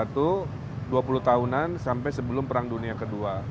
dua puluh tahunan sampai sebelum perang dunia ke dua